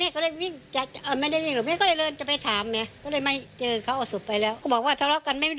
เขาก็เลยเห็นบอสเฟ้งอ่ะลิ